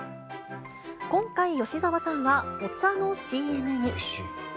今回、吉沢さんはお茶のＣＭに。